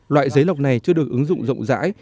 loại giấy lọc này chưa được ứng dụng rộng rãi